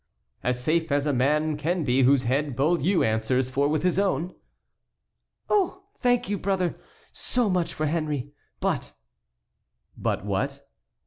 "As safe as a man can be whose head Beaulieu answers for with his own." "Oh! thank you, brother! so much for Henry. But"— "But what?"